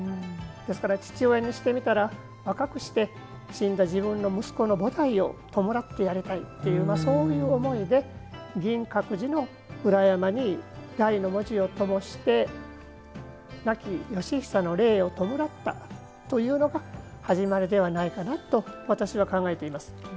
ですから、父親にしてみたら若くして死んだ息子の菩提を弔ってやりたいという思いで銀閣寺の裏山に「大」の文字をともして亡き義尚の霊を弔ったというのが始まりではないかなと私は考えています。